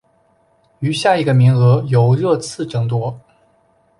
余下一个名额由热刺争夺。